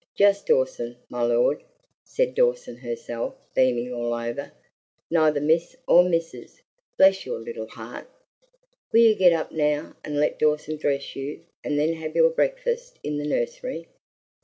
"Just Dawson, my lord," said Dawson herself, beaming all over. "Neither Miss nor Missis, bless your little heart! Will you get up now, and let Dawson dress you, and then have your breakfast in the nursery?"